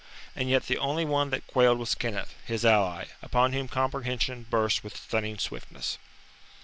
And yet the only one that quailed was Kenneth, his ally, upon whom comprehension burst with stunning swiftness.